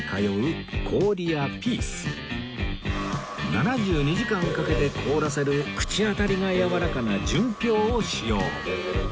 ７２時間かけて凍らせる口当たりが柔らかな純氷を使用